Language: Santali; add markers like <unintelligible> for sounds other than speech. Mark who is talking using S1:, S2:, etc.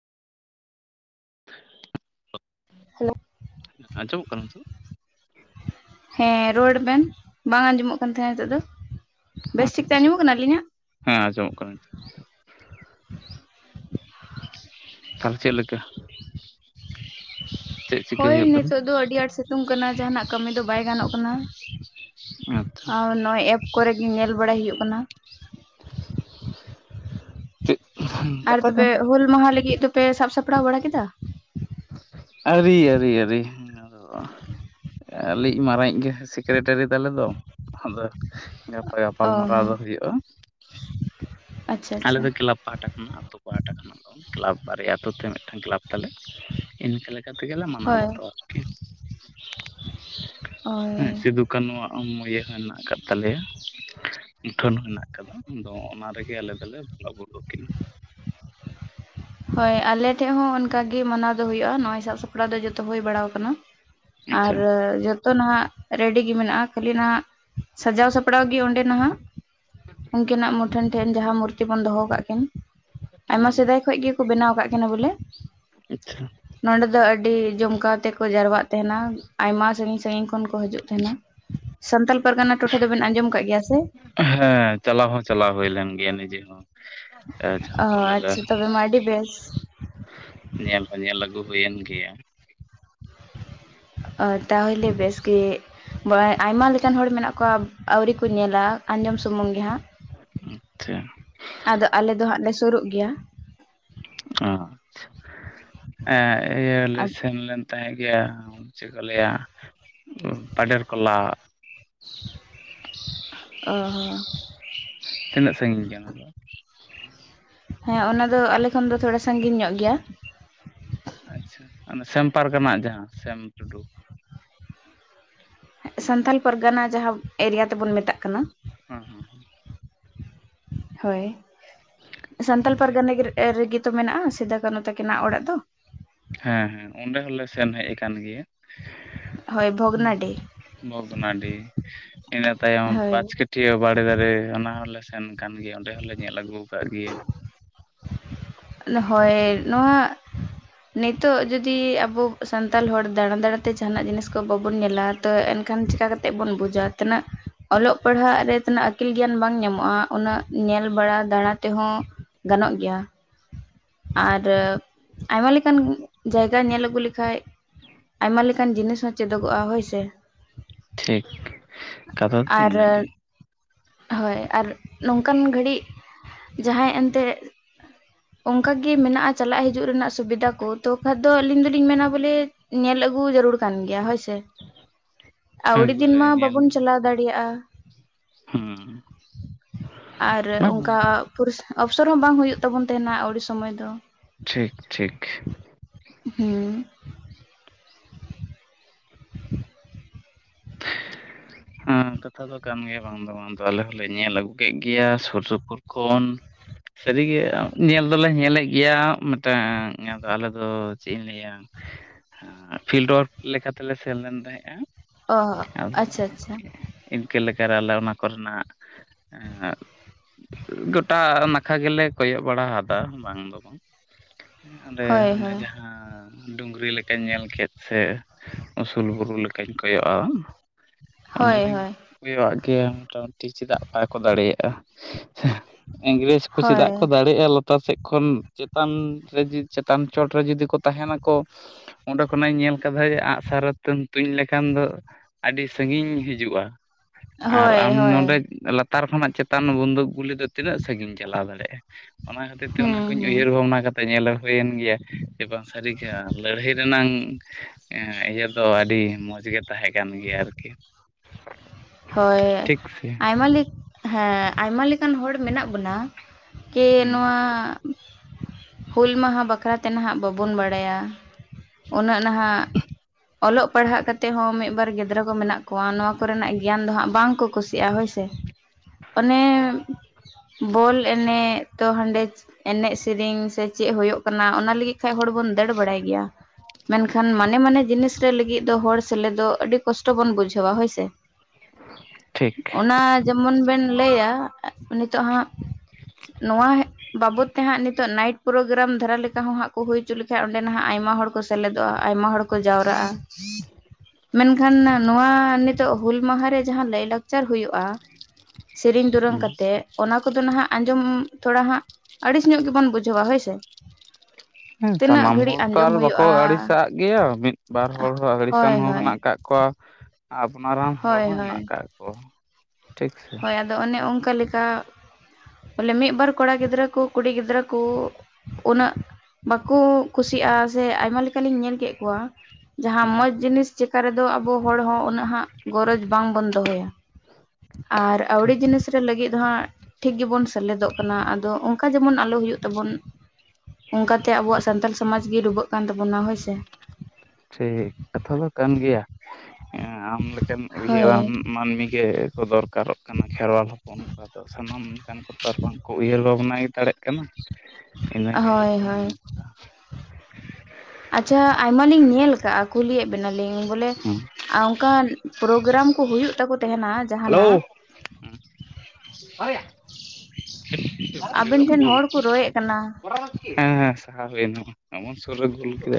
S1: ᱦᱮᱞᱳ
S2: ᱟᱸᱡᱚᱢᱚᱜ ᱠᱟᱱᱟ ᱱᱤᱛᱚᱜ ᱾
S1: ᱦᱮᱸ ᱨᱚᱲ ᱵᱮᱱ ᱾ ᱵᱟᱝ ᱟᱸᱡᱚᱢᱚᱜ ᱠᱟᱱ ᱛᱟᱦᱮᱸ ᱱᱤᱛᱚᱜ ᱫᱚ, ᱵᱮᱥ ᱴᱷᱤᱠᱛᱮ
S2: ᱟᱪᱪᱷᱟ
S1: ᱟᱸᱡᱚᱢᱚᱜ ᱠᱟᱱᱟ ᱟᱹᱞᱤᱧᱟᱜ?
S2: ᱦᱮᱸ ᱟᱸᱡᱚᱢᱚᱜ ᱠᱟᱱᱟ ᱾ ᱛᱷᱟᱞᱮ ᱪᱮᱫᱞᱮᱠᱟ ᱪᱮᱜ?
S1: ᱦᱳᱭ ᱱᱤᱛᱚᱜ ᱫᱚ ᱟᱹᱰᱤ ᱟᱸᱴ ᱥᱤᱛᱩᱝ ᱠᱟᱱᱟ ᱡᱟᱸᱦᱟᱱᱟᱜ ᱠᱟᱹᱢᱤ ᱫᱚ ᱵᱟᱭ ᱜᱟᱱᱚᱜ ᱠᱟᱱᱟ
S2: ᱟᱪᱪᱷᱟ
S1: ᱾ ᱚ ᱱᱚᱭ ᱮᱯ ᱠᱚᱨᱮ ᱜᱮ ᱧᱮᱞ ᱵᱟᱲᱟᱭ ᱦᱩᱭᱩᱜ ᱠᱟᱱᱟ ᱾
S2: ᱪᱮᱫ
S1: ᱟᱨ
S2: ᱠᱟᱛᱷᱟ ᱠᱟᱱ
S1: ᱛᱚᱵᱮ ᱦᱩᱞ ᱢᱟᱦᱟ ᱞᱟᱹᱜᱤᱫ ᱫᱚᱯᱮ ᱥᱟᱵ ᱥᱟᱯᱲᱟᱣ ᱵᱟᱲᱟ ᱠᱮᱫᱟ ᱾
S2: ᱟᱹᱨᱤ ᱟᱹᱨᱤ ᱟᱹᱨᱤ, ᱟᱹᱞᱤᱡ ᱢᱟᱨᱟᱝᱤᱡ ᱜᱮ ᱥᱮᱠᱨᱮᱴᱟᱨᱤ ᱛᱟᱞᱮ ᱫᱚ ᱟᱫᱚ ᱚᱭ
S1: ᱚ
S2: ᱟᱯᱟᱞᱢᱟᱨᱟᱣ ᱫᱚ ᱦᱩᱭᱩᱜᱼᱟ ᱾
S1: ᱟᱪᱪᱷᱟ
S2: ᱟᱞᱮ
S1: ᱟᱪᱪᱷᱟ
S2: ᱫᱚ ᱠᱞᱟᱵᱽ ᱯᱟᱦᱴᱟ ᱠᱷᱚᱱ ᱟᱛᱩ ᱯᱟᱦᱴᱟ ᱠᱷᱚᱱ ᱫᱚ ᱠᱞᱟᱵᱽ ᱵᱟᱨᱭᱟ ᱟᱛᱩ ᱛᱮ ᱢᱤᱫᱴᱟᱝ ᱠᱞᱟᱵᱽ ᱛᱟᱞᱮ ᱾ ᱤᱱᱠᱟᱹ ᱞᱮᱠᱟ ᱛᱮᱜᱮᱞᱮ ᱢᱟᱱᱟᱣ
S1: ᱦᱳᱭ
S2: ᱵᱟᱛᱟᱣᱟ ᱟᱨᱠᱤ ᱾
S1: ᱦᱳᱭ
S2: ᱩᱸ ᱥᱤᱫᱩ ᱠᱟᱹᱱᱩ ᱣᱟᱜ ᱤᱭᱟᱹ ᱦᱚᱸ ᱦᱮᱱᱟᱜ ᱠᱟᱜ ᱛᱟᱞᱮᱭᱟ ᱾ ᱢᱩᱴᱷᱟᱹᱱ ᱦᱮᱱᱟᱜ ᱠᱟᱫᱟ ᱟᱫᱚ ᱚᱱᱟ ᱨᱮᱜᱮ ᱟᱞᱮ ᱫᱚᱞᱮ ᱵᱚᱸᱜᱟ ᱵᱩᱨᱩ ᱠᱤᱱ ᱾
S1: ᱦᱳᱭ ᱟᱞᱮ ᱴᱷᱮᱡ ᱦᱚᱸ ᱚᱱᱠᱟ ᱜᱮ ᱢᱟᱱᱟᱣ ᱫᱚ ᱦᱩᱭᱩᱜᱼᱟ ᱱᱚᱜᱼᱚᱭ ᱥᱟ ᱥᱟᱯᱲᱟᱣ ᱫᱚ ᱡᱚᱛᱚ ᱦᱳᱭ ᱵᱟᱲᱟᱣ ᱠᱟᱱᱟ ᱾
S2: ᱟᱪᱪᱷᱟ
S1: ᱟᱨ ᱡᱷᱚᱛᱚ ᱱᱟᱦᱟᱸᱜ ᱨᱮᱰᱤ ᱜᱮ ᱢᱮᱱᱟᱜᱼᱟ, ᱠᱷᱟᱹᱞᱤ ᱱᱟᱜ ᱥᱟᱡᱟᱣ ᱥᱟᱯᱲᱟᱣ ᱜᱮ ᱚᱸᱰᱮ ᱱᱟᱦᱟᱜ ᱩᱝᱠᱤᱱᱟᱜ ᱢᱩᱴᱷᱟᱹᱱ ᱴᱷᱮᱱ ᱡᱟᱦᱟᱸ ᱢᱩᱨᱛᱤ ᱵᱚᱱ ᱫᱚᱦᱚ ᱠᱟᱜ ᱠᱤᱱ ᱟᱭᱢᱟ
S2: ᱦᱩᱸ
S1: ᱥᱮᱫᱟᱭ ᱠᱷᱚᱡ ᱜᱮ ᱠᱚ ᱵᱮᱱᱟᱣ ᱠᱟᱜ ᱠᱤᱱᱟ ᱵᱚᱞᱮ
S2: ᱟᱪᱪᱷᱟ
S1: ᱱᱚᱸᱰᱮ ᱫᱚ ᱟᱹᱰᱤ ᱡᱚᱢᱠᱟᱣ ᱛᱮᱠᱚ ᱡᱟᱨᱣᱟᱜ ᱛᱮᱦᱮᱸᱱᱟ ᱟᱭᱢᱟ ᱥᱟᱺᱜᱤᱧ ᱥᱟᱺᱜᱤᱧ ᱠᱷᱚᱱ ᱠᱚ ᱦᱤᱡᱩᱜ ᱛᱮᱦᱮᱸᱱᱟ᱾ ᱥᱟᱱᱛᱟᱞ ᱯᱟᱨᱜᱟᱱᱟ ᱴᱚᱴᱷᱟ ᱫᱚᱵᱮᱱ ᱟᱸᱡᱚᱢ ᱠᱟᱜ ᱜᱮᱭᱟ ᱥᱮ
S2: ᱦᱮᱸ ᱪᱟᱞᱟᱣ ᱦᱚᱸ ᱪᱟᱞᱟᱣ ᱦᱳᱭ ᱞᱮᱱ ᱜᱮᱭᱟ ᱱᱤᱡᱮ ᱦᱚᱸ ᱟᱪᱷᱟ
S1: ᱚ
S2: ᱠᱚᱞ ᱞᱮᱫᱟ
S1: ᱟᱪᱪᱷᱟ ᱛᱚᱵᱮ ᱢᱟ ᱟᱹᱰᱤ ᱵᱮᱥ
S2: ᱧᱮᱞ ᱦᱚᱸ ᱧᱮᱞ ᱟᱹᱜᱩ ᱦᱩᱭᱮᱱ ᱜᱮᱭᱟ᱾
S1: ᱟ ᱛᱟᱦᱚᱞᱮ ᱵᱮᱥ ᱜᱮ ᱵᱟᱸ ᱟᱭᱢᱟ ᱞᱮᱠᱟᱱ ᱦᱚᱲ ᱢᱮᱱᱟᱜ ᱠᱚᱣᱟ ᱟᱹᱣᱨᱤ ᱠᱚ ᱧᱮᱞᱟ᱾ ᱟᱸᱡᱚᱢ ᱥᱩᱢᱩᱝ ᱜᱮ ᱦᱟᱸᱜ
S2: ᱟᱪᱪᱷᱟ
S1: ᱟᱫᱚ ᱟᱞᱮ ᱫᱚ ᱦᱟᱸᱜ ᱞᱮ ᱥᱳᱨᱳᱜ ᱜᱮᱭᱟ ᱾
S2: ᱚ ᱟᱪᱷᱟ, ᱮᱸ ᱤᱭᱟᱹ ᱞᱮ ᱥᱮᱱᱞᱮᱱ ᱛᱟᱦᱮᱸ ᱜᱮᱭᱟ ᱪᱮᱫ ᱠᱚ ᱞᱟᱹᱭᱟ ᱯᱟᱰᱮᱨ ᱠᱚᱞᱟ ᱾
S1: ᱚ ᱦᱚ ᱾
S2: ᱛᱤᱱᱟᱹᱜ ᱥᱟᱺᱜᱤᱧ ᱜᱮᱭᱟ ᱚᱱᱟ ᱫᱚ?
S1: ᱦᱮᱸ ᱚᱱᱟ ᱫᱚ ᱟᱞᱮ ᱠᱷᱚᱱ ᱫᱚ ᱛᱷᱚᱲᱟ ᱥᱟᱺᱜᱤᱧ ᱧᱚᱜ ᱜᱮᱭᱟ ᱾
S2: ᱟᱪᱪᱷᱟ ᱚᱱᱟ ᱥᱮᱢ ᱯᱟᱨ ᱜᱟᱱᱟᱜ ᱡᱟᱦᱟᱸ ᱥᱮᱢ ᱴᱩᱰᱩ ᱾
S1: ᱥᱟᱱᱛᱟᱞ ᱯᱚᱨᱜᱟᱱᱟ ᱡᱟᱦᱟᱸ ᱮᱨᱤᱭᱟ ᱛᱮᱵᱚᱱ ᱢᱮᱛᱟᱜ ᱠᱟᱱᱟ ᱾
S2: ᱦᱚᱸ ᱦᱚᱸ ᱦᱚᱸ ᱾
S1: ᱦᱳᱭ ᱥᱟᱱᱛᱟᱞ
S2: ᱦᱮᱸ
S1: ᱯᱟᱨᱜᱟᱱᱟ ᱜᱮ ᱨᱮᱜᱮ ᱛᱚ ᱢᱮᱱᱟᱜ-ᱟ ᱥᱤᱫᱟᱹ ᱠᱟᱱᱚ ᱛᱟᱹᱠᱤᱱᱟᱜ ᱚᱲᱟᱜ ᱫᱚ ᱾
S2: ᱦᱮᱸ ᱦᱮᱸ ᱚᱸᱰᱮ ᱦᱚᱞᱮ ᱥᱮᱱ ᱦᱮᱡ ᱟᱠᱟᱱ ᱜᱮᱭᱟ ᱾
S1: ᱦᱳᱭ ᱵᱷᱚᱜᱽᱱᱟᱰᱤ ᱾
S2: ᱵᱷᱚᱜᱽᱱᱟᱰᱤ ᱤᱱᱟᱹ ᱛᱟᱭᱚᱢ
S1: ᱦᱳᱭ
S2: ᱯᱟᱸᱪ ᱠᱟᱹᱴᱭᱤᱭᱟᱹ ᱵᱟᱲᱮ ᱫᱟᱨᱮ ᱚᱱᱟ ᱦᱚᱸᱞᱮ ᱥᱮᱱ ᱠᱟᱱ ᱜᱮᱭᱟ ᱚᱸᱰᱮ ᱦᱚᱞᱮ ᱧᱮᱞ ᱟᱹᱜᱩ ᱟᱠᱟᱜ ᱜᱮᱭᱟ ᱾
S1: ᱦᱳᱭ ᱱᱚᱣᱟ ᱱᱤᱛᱚᱜ ᱡᱩᱫᱤ ᱟᱵᱚ ᱥᱟᱱᱛᱟᱞ ᱦᱚᱲ ᱫᱟᱬᱟ ᱫᱟᱬᱟ ᱛᱮ ᱡᱟᱦᱟᱱᱟᱜ ᱡᱤᱱᱤᱥ ᱠᱚ ᱵᱟᱵᱚᱱ ᱧᱮᱞᱟ ᱛᱚ ᱮᱱᱠᱷᱟᱱ ᱪᱤᱠᱟ ᱠᱟᱛᱮᱫ ᱵᱚᱱ ᱵᱩᱡᱟ ᱛᱤᱱᱟᱹᱜ ᱚᱞᱚᱜ ᱯᱟᱲᱦᱟᱜ ᱨᱮ ᱛᱤᱱᱟᱹᱜ ᱟᱹᱠᱤᱞ ᱜᱮᱭᱟᱱ ᱵᱟᱝ ᱧᱟᱢᱚᱜ-ᱟ ᱩᱱᱟᱹᱜ ᱧᱮᱞ ᱵᱟᱲᱟ ᱫᱟᱬᱟ ᱛᱮᱦᱚᱸ ᱜᱟᱱᱚᱜ ᱜᱮᱭᱟ ᱾ ᱟᱨ ᱟᱭᱢᱟ ᱞᱮᱠᱟᱱ ᱡᱟᱭᱜᱟ ᱧᱮᱞ ᱟᱹᱜᱩ ᱞᱮᱠᱷᱟᱡ ᱟᱭᱢᱟ ᱞᱮᱠᱟᱱ ᱡᱤᱱᱤᱥ ᱦᱚᱸ ᱪᱮᱫᱚ ᱜᱚᱜ-ᱟ ᱦᱳᱭ ᱥᱮ ᱾
S2: ᱴᱷᱤᱠ ᱠᱟᱛᱷᱟ ᱫᱚ ᱤᱱᱟᱹ ᱜᱮ ᱾
S1: ᱦᱳᱭ ᱟᱨ ᱱᱚᱝᱠᱟᱱ ᱜᱷᱟᱹᱲᱤᱜ ᱡᱟᱦᱟᱸᱭ ᱮᱱᱛᱮᱫ ᱚᱝᱠᱟ ᱜᱤ ᱢᱮᱱᱟᱜ-ᱟ ᱪᱟᱞᱟᱜ ᱦᱤᱡᱩᱜ ᱨᱮᱱᱟᱜ ᱥᱩᱵᱤᱫᱟ ᱠᱚ ᱛᱚ ᱠᱷᱟᱡ ᱫᱚ ᱟᱹᱞᱤᱧ ᱫᱚᱞᱤᱧ ᱢᱮᱱᱟ ᱵᱚᱞᱮ ᱧᱮᱞ ᱟᱹᱜᱩ ᱡᱟᱹᱨᱩᱲ ᱠᱟᱱ ᱜᱮᱭᱟ ᱦᱳᱭ ᱥᱮ ᱾
S2: <inaudible>
S1: ᱟᱹᱣᱲᱤ ᱫᱤᱱ
S2: ᱮᱠᱵᱟᱨᱮ
S1: ᱢᱟ
S2: ᱧᱮᱞ
S1: ᱵᱟᱵᱚᱱ ᱪᱟᱞᱟᱣ ᱫᱟᱲᱮᱭᱟᱜ-ᱟ
S2: ᱦᱮᱸ
S1: ᱾ ᱟᱨ
S2: ᱵᱟᱝ
S1: ᱚᱝᱠᱟ <unintelligible> ᱚᱯᱥᱚᱨ ᱦᱚᱸ ᱵᱟᱝ ᱦᱩᱭᱩᱜ ᱛᱟᱵᱚᱱ ᱛᱮᱦᱮᱱᱟ ᱟᱹᱣᱤᱲᱤ ᱥᱚᱢᱚᱭ ᱫᱚ ᱾
S2: ᱴᱷᱤᱠ ᱴᱷᱤᱠ
S1: ᱦᱩᱸ
S2: ᱦᱩᱸ ᱠᱟᱛᱷᱟ ᱫᱚ ᱠᱟᱱ ᱜᱮᱭᱟ ᱵᱟᱝ ᱫᱚ ᱵᱟᱝ ᱛᱚ ᱟᱞᱮ ᱦᱚᱸᱞᱮ ᱧᱮᱞ ᱟᱹᱜᱩ ᱠᱮᱜ ᱜᱮᱭᱟ ᱥᱩᱨ ᱥᱩᱯᱩᱨ ᱠᱷᱚᱱ, ᱥᱟᱹᱨᱤᱜᱮ ᱧᱮᱞ ᱫᱚᱞᱮ ᱧᱮᱞᱮᱜ ᱜᱮᱭᱟ ᱢᱤᱴᱟᱝ ᱟᱫᱚ ᱟᱞᱮ ᱫᱚ ᱪᱮ ᱤᱧ ᱞᱟᱹᱭᱟ᱾ ᱯᱷᱤᱞᱰᱚᱨ ᱞᱮᱠᱟ ᱛᱮᱞᱮ ᱥᱮᱱ ᱞᱮᱱ ᱛᱟᱦᱮᱸᱼᱟ
S1: ᱚ ᱟᱪᱪᱷᱟ ᱟᱪᱪᱷᱟ
S2: ᱤᱱᱠᱟᱹ ᱞᱮᱠᱮ ᱨᱮ ᱟᱞᱮ ᱚᱱᱟ ᱠᱚ ᱨᱮᱱᱟᱜ ᱜᱚᱴᱟ ᱱᱟᱠᱷᱟ ᱜᱮᱞᱮ ᱠᱚᱭᱚᱜ ᱵᱟᱲᱟ ᱟᱫᱟ ᱵᱟᱝ ᱫᱚ ᱵᱟᱝ ᱚᱸᱰᱮ
S1: ᱦᱳᱭ
S2: ᱚᱱᱮ
S1: ᱦᱳᱭ
S2: ᱡᱟᱦᱟᱸ ᱰᱩᱝᱨᱤ ᱞᱮᱠᱟᱧ ᱧᱮᱞ ᱠᱮᱫ ᱥᱮ ᱩᱥᱩᱞ ᱵᱩᱨᱩ ᱞᱮᱠᱟᱧ ᱠᱚᱭᱚ-ᱟ ᱚᱸᱰᱮ
S1: ᱦᱳᱭ
S2: ᱫᱚᱧ
S1: ᱦᱳᱭ
S2: ᱠᱚᱭᱚ ᱟᱜ ᱜᱮᱭᱟ ᱢᱳᱴᱟ ᱴᱤ ᱪᱮᱫᱟᱜ ᱵᱟᱠᱚ ᱫᱟᱲᱮ ᱭᱟᱜ-ᱟ ᱤᱝᱨᱮᱡᱽ ᱠᱚ ᱪᱮᱫᱟᱜ
S1: ᱦᱳᱭ
S2: ᱠᱚ ᱫᱟ ᱲᱮᱜ-ᱟ ᱞᱟᱛᱟᱨ ᱥᱮᱜ ᱠᱷᱚᱱ ᱪᱮᱛᱟᱱ ᱨᱮ ᱪᱮᱛᱟᱱ ᱪᱚᱴ ᱨᱮ ᱡᱩᱫᱤ ᱠᱚ ᱛᱟᱦᱮᱸᱱᱟ ᱠᱚ ᱚᱸᱰᱮ ᱠᱷᱚᱱᱟᱜ ᱤᱧ ᱧᱮᱞ ᱠᱟᱫᱟ ᱡᱮ ᱟᱸᱜ ᱥᱟᱨ ᱛᱮᱢ ᱛᱩᱧ ᱞᱮᱠᱷᱟᱱ ᱫᱚ ᱟᱰᱤ ᱥᱟᱺᱜᱤᱧ ᱦᱤᱡᱩᱜᱟ ᱟᱨ
S1: ᱦᱳᱭ
S2: ᱟᱢ
S1: ᱦᱳᱭ
S2: ᱱᱚᱰᱮ ᱞᱟᱛ ᱛᱟᱨ ᱠᱷᱚᱱᱟᱜ ᱪᱮᱛᱟᱱ ᱵᱚᱱᱫᱩᱠ ᱜᱩᱞᱤ ᱫᱚ ᱛᱤᱱᱟᱹᱜ ᱥᱟᱺᱜᱤᱧ ᱪᱟᱞᱟᱣ ᱫᱟᱲᱮᱜ-ᱟ ᱚᱱᱟ ᱠᱷᱟᱹ ᱛᱤᱨ ᱛᱮ
S1: ᱦᱩᱸ
S2: ᱚᱱᱟ ᱠᱚᱧ
S1: ᱦᱩᱸ
S2: ᱩᱭᱦᱟᱹᱨ ᱵᱷᱟᱵᱽᱱᱟ ᱡᱚᱝ- ᱛᱮ ᱧᱮᱞᱚ ᱦᱩᱭᱮᱱ ᱜᱮᱭᱟ ᱡᱮ ᱵᱟᱝ ᱥᱟᱹᱨᱤ ᱜᱮᱭᱟ ᱞᱟᱹᱲᱦᱟᱹᱭ ᱨᱮᱱᱟᱝ ᱮᱸ ᱤᱭᱟᱹ ᱫᱚ ᱟᱹᱰᱤ ᱢᱚᱡᱽ ᱜᱮ ᱛᱟᱦᱮᱸ ᱠᱟᱱ ᱜᱮᱭᱟ ᱟᱨᱠᱤ
S1: ᱦᱳᱭ
S2: ᱴᱷᱤᱠ ᱥᱮ
S1: ᱟᱭᱢᱟ ᱞᱤᱠ ᱦᱮᱸ ᱟᱭᱢᱟ ᱞᱮᱠᱟᱱ ᱦᱚᱲ ᱢᱮᱱᱟᱜ ᱵᱚᱱᱟ, ᱜᱮ
S2: ᱦᱩᱸ
S1: ᱱᱚᱣᱟ ᱦᱩᱞ ᱢᱟᱦᱟ ᱵᱟᱠᱷᱨᱟ ᱛᱮ ᱱᱷᱟᱸᱜ ᱵᱟᱵᱚᱱ ᱵᱟᱲᱟᱭᱟ ᱚᱱᱟᱜ ᱱᱟᱦᱟᱜ ᱚᱞᱚᱜ ᱯᱟᱲᱦᱟᱜ ᱠᱟᱛᱮ ᱦᱚᱸ ᱢᱤᱫ ᱵᱟᱨ ᱜᱤᱫᱽᱨᱟᱹ ᱠᱚ ᱢᱮᱱᱟᱜ ᱠᱚᱣᱟ ᱱᱚᱣᱟ ᱠᱚᱨᱮᱱᱟᱜ ᱜᱮᱭᱟᱱ ᱫᱚ ᱦᱟᱸᱜ ᱵᱟᱝᱠᱚ ᱠᱩᱥᱤᱤᱭᱟᱜᱼᱟ ᱦᱳᱭᱥᱮ ᱚᱱᱮ ᱵᱚᱞ ᱮᱱᱮᱡ ᱛᱚ ᱦᱟᱸᱰᱮ ᱮᱱᱮᱡ ᱥᱮᱨᱮᱧ ᱥᱮ ᱪᱮᱫ ᱦᱩᱭᱩᱜ ᱠᱟᱱᱟ ᱚᱱᱟ ᱞᱟᱹᱜᱤᱫ ᱠᱷᱟᱡ ᱦᱚᱲ ᱵᱚᱱ ᱫᱟᱹᱲ ᱵᱟᱲᱟᱭ ᱜᱮᱭᱟ ᱢᱮᱱᱠᱷᱟᱱ ᱢᱟᱱᱮ ᱢᱟᱱᱮ ᱡᱤᱱᱤᱥ ᱪᱮᱫ ᱞᱟᱹᱜᱤᱫ ᱫᱚ ᱦᱚᱲ ᱥᱮᱞᱮᱫ ᱫᱚ ᱟᱹᱰᱤ ᱠᱚᱥᱴᱚ ᱵᱚᱱ ᱵᱩᱡᱷᱟᱹᱣᱟ ᱦᱳᱭ ᱥᱮ,
S2: ᱴᱷᱤᱠ
S1: ᱚᱱᱟ ᱡᱮᱢᱚᱱ ᱵᱮᱱ ᱞᱟᱹᱭᱟ ᱱᱤᱛᱚᱜ ᱦᱟᱸᱜ ᱱᱚᱣᱟ ᱵᱟᱵᱚᱫ ᱛᱮ ᱦᱟᱸᱜ ᱱᱤᱛᱚᱜ ᱱᱟᱭᱤᱴ ᱯᱨᱳᱜᱨᱟᱢ ᱫᱷᱟᱨᱟ ᱞᱮᱠᱟ ᱦᱚᱸ ᱦᱟᱸᱜ ᱠᱚ ᱦᱩᱭ ᱦᱚᱪᱚ ᱞᱮᱠᱷᱟᱱ ᱚᱸᱰᱮ ᱱᱟᱦᱟᱸᱜ ᱟᱭᱢᱟ ᱦᱚᱲ ᱠᱚ ᱥᱮᱞᱮᱫᱚᱜᱼᱟ ᱟᱭᱢᱟ ᱦᱚᱲ ᱠᱚ ᱡᱟᱣᱨᱟᱜᱼᱟ ᱢᱮᱱᱠᱷᱟᱱ ᱱᱚᱣᱟ ᱱᱤᱛᱚᱜ ᱦᱩᱞ ᱢᱟᱦᱟᱨᱮ ᱡᱟᱦᱟᱸ ᱞᱟᱭᱼᱞᱟᱠᱪᱟᱨ ᱦᱩᱭᱩᱜᱼᱟ ᱥᱮᱨᱮᱧ ᱫᱩᱨᱟᱹᱝ ᱠᱟᱛᱮᱜ ᱚᱱᱟ ᱠᱚᱫᱚ ᱱᱟᱦᱟᱜ ᱟᱸᱡᱚᱢ ᱛᱷᱚᱲᱟ ᱦᱟᱸᱜ ᱟᱹᱲᱤᱥ ᱧᱚᱜ ᱜᱮᱵᱚᱱ ᱵᱩᱡᱷᱟᱹᱣᱟ ᱦᱳᱭ ᱥᱮ
S2: ᱦᱮᱸ
S1: ᱛᱤᱱᱟᱹᱜ
S2: ᱥᱟᱱᱟᱢ
S1: ᱜᱷᱟᱹᱲᱤᱡ
S2: ᱦᱚᱲ ᱛᱚ
S1: ᱟᱸᱡᱚᱢ
S2: ᱟᱨ ᱵᱟᱠᱚ
S1: ᱦᱩᱭᱩᱜᱼᱟ
S2: ᱟᱹᱲᱤᱥᱟᱜᱟᱜ ᱜᱮᱭᱟ ᱢᱤᱫᱵᱟᱨ ᱦᱚᱲ ᱦᱚᱸ ᱟᱹᱲᱤᱥᱟᱱ
S1: ᱦᱳᱭ
S2: ᱦᱚᱸ
S1: ᱦᱳᱭ
S2: ᱢᱮᱱᱟᱜ ᱠᱟᱜ ᱠᱚᱣᱟ ᱟᱯᱱᱟᱨᱟᱱ ᱦᱚᱲ
S1: ᱦᱳᱭ
S2: ᱦᱚᱸ
S1: ᱦᱳᱭ
S2: ᱦᱮᱱᱟᱜ ᱠᱟᱜ ᱠᱚᱣᱟ ᱴᱷᱤᱠ
S1: ᱦᱳᱭ ᱟᱫᱚ ᱚᱱᱮ ᱚᱱᱠᱟ ᱞᱮᱠᱟ ᱵᱚᱞᱮ ᱢᱤᱫᱵᱟᱨ ᱠᱚᱲᱟ ᱜᱤᱫᱽᱨᱟᱹ ᱠᱚ ᱠᱩᱲᱤ ᱜᱤᱫᱽᱨᱟᱹ ᱠᱚ ᱩᱱᱟᱹᱜ ᱵᱟᱠᱩ ᱠᱩᱥᱤᱭᱟᱜᱼᱟ ᱥᱮ ᱟᱭᱢᱟ ᱞᱮᱠᱟᱞᱤᱧ ᱧᱮᱞ ᱠᱮᱫ ᱠᱚᱣᱟ ᱡᱟᱦᱟᱸ
S2: ᱦᱩᱸ
S1: ᱢᱚᱡᱽ ᱡᱤᱱᱤᱥ ᱪᱮᱛᱟᱱ ᱨᱮᱫᱚ ᱟᱵᱚ ᱦᱚᱲ ᱦᱚᱸ ᱩᱱᱟᱹᱜ ᱦᱟᱜ ᱜᱚᱨᱚᱡᱽ ᱵᱟᱝ ᱵᱚᱱ ᱫᱚᱦᱚᱭᱟ, ᱟᱨ ᱟᱹᱣᱲᱤ
S2: ᱴᱷᱤᱠ
S1: ᱡᱤᱱᱤᱥ ᱨᱮ ᱞᱟᱹᱜᱤᱫ ᱫᱚ ᱦᱟᱸᱜ ᱴᱷᱤᱠ ᱜᱮᱵᱚᱱ ᱥᱮᱞᱮᱫᱚᱜ ᱠᱟᱱᱟ ᱟᱨ ᱟᱫᱚ ᱚᱱᱠᱟ ᱡᱮᱢᱚᱱ ᱟᱞᱚ ᱦᱩᱭᱩᱜ ᱛᱟᱵᱚᱱ, ᱚᱱᱠᱟᱛᱮ ᱟᱵᱚᱣᱟᱜ ᱥᱟᱱᱛᱟᱞ ᱥᱚᱢᱟᱡᱽ ᱜᱮ ᱰᱩᱵᱟᱹᱜ ᱠᱟᱱ ᱛᱟᱵᱳᱱᱟ ᱦᱳᱭᱥᱮ
S2: ᱴᱷᱤᱠ ᱠᱟᱛᱷᱟ ᱫᱚ ᱠᱟᱱ ᱜᱮᱭᱟ ᱟᱢ ᱞᱮᱠᱟᱱ ᱩᱭᱦᱟᱹᱨ ᱟᱱ
S1: ᱦᱳᱭ
S2: ᱢᱟᱱᱢᱤ ᱜᱮ ᱠᱚ ᱫᱚᱨ ᱫᱚᱨᱠᱟᱨᱚᱜ ᱠᱟᱱᱟ ᱠᱷᱮᱨᱣᱟᱞ ᱦᱚᱯᱚᱱ ᱩᱱᱠᱩ ᱫᱚ ᱥᱟᱱᱟᱢ ᱞᱮᱠᱟᱱ ᱠᱚ ᱟᱨ ᱵᱟᱝᱠᱚ ᱩᱭᱦᱟᱹᱨ ᱵᱷᱟᱵᱽᱱᱟᱭ ᱫᱟᱲᱮᱭᱟᱜ ᱠᱟᱱᱟ, ᱤᱱᱟᱹᱜᱮ ᱦᱩᱭᱩᱜ
S1: ᱦᱳᱭ
S2: ᱠᱟᱱᱟ
S1: ᱦᱳᱭ
S2: ᱱᱚᱝᱠᱟᱱ,
S1: ᱟᱪᱪᱷᱟ ᱟᱭᱢᱟ ᱞᱤᱧ ᱧᱮᱞ ᱠᱟᱜᱼᱟ ᱠᱩᱞᱤᱭᱮᱫ ᱵᱮᱱᱟᱞᱤᱧ ᱵᱚᱞᱮ
S2: ᱦᱮᱸ
S1: ᱚᱱᱠᱟᱱ ᱯᱨᱳᱜᱨᱟᱢ ᱠᱚ ᱦᱩᱭᱩᱜ ᱛᱟᱠᱚ ᱛᱟᱦᱮᱸᱱᱟ ᱡᱟᱦᱟᱱᱟᱜ
S2: ᱦᱩᱸ ᱦᱚᱭᱟ, <inaudible>
S1: ᱟᱵᱮᱱ ᱴᱷᱮᱱ ᱦᱚᱲ ᱠᱚ ᱨᱚᱭᱮᱫ ᱠᱟᱱᱟ
S2: ᱦᱮᱸ ᱦᱮᱸ ᱥᱟᱦᱟ ᱦᱩᱭᱱᱟ ᱮᱢᱚᱱ ᱥᱩᱨ ᱨᱮ ᱜᱩᱞ ᱠᱮᱫᱟᱭ ᱾